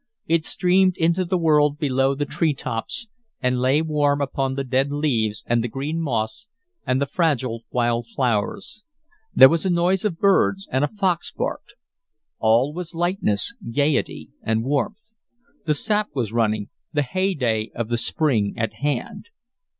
It streamed into the world below the treetops, and lay warm upon the dead leaves and the green moss and the fragile wild flowers. There was a noise of birds, and a fox barked. All was lightness, gayety, and warmth; the sap was running, the heyday of the spring at hand.